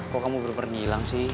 kok kamu berperni hilang sih